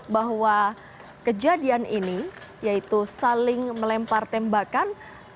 bahwa kejadian ini yaitu saling melempar tembakan